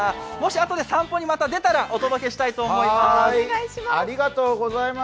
もし後で散歩に出たらお届けしたいと思います。